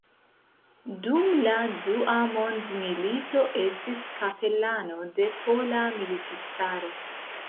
Dum la dua mondmilito estis kapelano de Pola Militistaro.